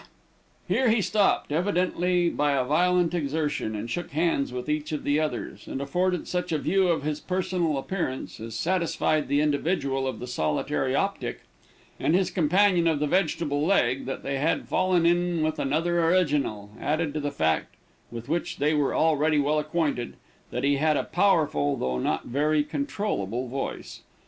Here he stopped, evidently by a violent exertion, and shook hands with each of the others, and afforded such a view of his personal appearance as satisfied the individual of the solitary optic, and his companion of the vegetable leg, that they had fallen in with another original added to the fact, with which they were already well acquainted, that he had a powerful, though not very controllable voice.